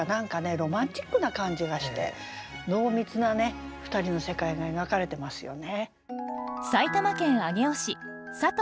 ロマンチックな感じがして濃密な２人の世界が描かれてますよね。